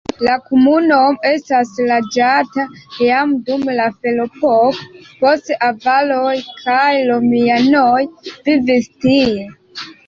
La komunumo estis loĝata jam dum la ferepoko, poste avaroj kaj romianoj vivis tie.